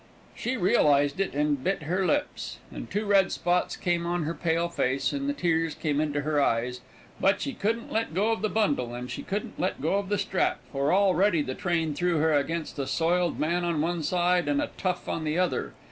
She realized it, and bit her lips, and two red spots came on her pale face, and the tears came into her eyes, but she couldn't let go of her bundle, and she couldn't let go of the strap, for already the train threw her against a soiled man on one side and a tough on the other.